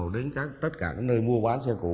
đến tất cả các nơi mua bán xe cũ